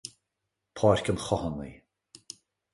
Páirc an Chathánaigh.